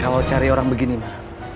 kalau cari orang begini mah